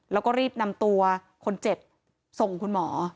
แล้วก็รีบนำตัวคนเจ็บส่งคุณหมอ